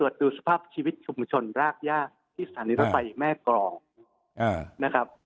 ดูสภาพชีวิตชุมชนรากย่าที่สถานีรถไฟแม่กรองนะครับ